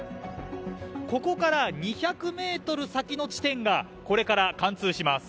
ここから２００ｍ先の地点がこれから貫通します。